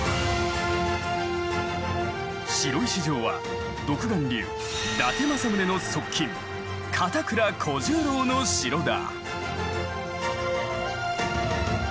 白石城は独眼竜・伊達政宗の側近片倉小十郎の城だ。